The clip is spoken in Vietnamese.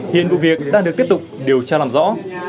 hiện vụ việc đang được tiếp tục điều tra làm rõ